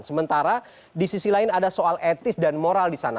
sementara di sisi lain ada soal etis dan moral di sana